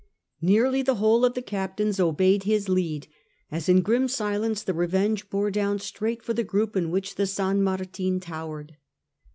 Nearly the whole of the captains obeyed his lead, as in grim silence the Eevenge bore down straight for the group in which the Sa/n Martin towered.